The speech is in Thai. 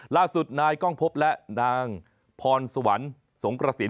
ล่าสุดนายกล้องพบและนางพรสวรรค์สงกระสิน